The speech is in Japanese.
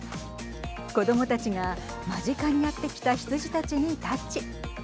子どもたちが、間近にやってきた羊たちにタッチ。